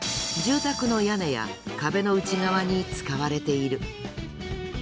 住宅の屋根や壁の内側に使われている。